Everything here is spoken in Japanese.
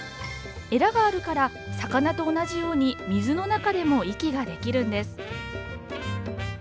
えらがあるから魚と同じように水の中でも息ができるんです。